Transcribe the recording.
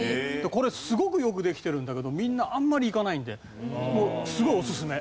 これすごくよくできてるんだけどみんなあんまり行かないんですごいおすすめ